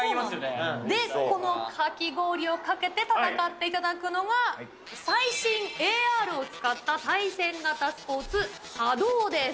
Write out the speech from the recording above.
で、このかき氷をかけて戦っていただくのが、最新ＡＲを使った対戦型スポーツ、ハドーです。